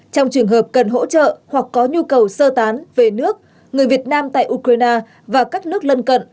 trong trường hợp cần hỗ trợ hoặc có nhu cầu sơ tán về nước người việt nam tại ukraine và các nước lân cận